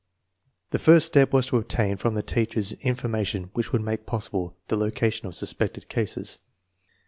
The first step was to obtain from the teachers in formation which would make possible the location of suspected cases.